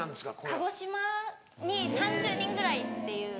鹿児島に３０人ぐらいっていう。